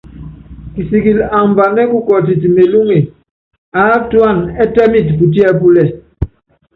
Kisikili ambanɛ́ kukɔtit mélúŋe, aátúana ɛ́tɛ́miti putiɛ́púlɛ.